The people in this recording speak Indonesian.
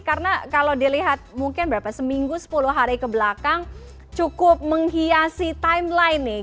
karena kalau dilihat mungkin berapa seminggu sepuluh hari ke belakang cukup menghiasi timeline nih